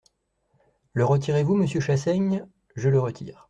Le retirez-vous, monsieur Chassaigne ? Je le retire.